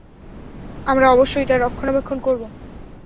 আমরা অবশ্যই তার রক্ষণাবেক্ষণ করব।